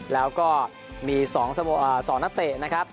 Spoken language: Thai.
แล้วก็มี๒นักเตะนะครับ